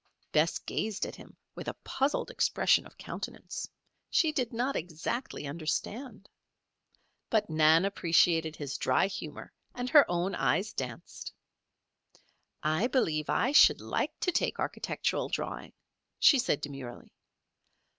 Bess gazed at him with a puzzled expression of countenance. She did not exactly understand. But Nan appreciated his dry humor, and her own eyes danced. "I believe I should like to take architectural drawing," she said demurely.